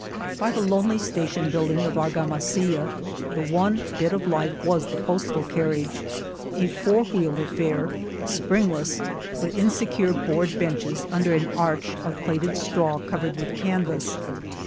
By the lonely station building of Argama silla, the one bit of life was the postal carriage, a four wheeled affair, springless, with insecure board benches under an arch of plaited straw covered with canvas.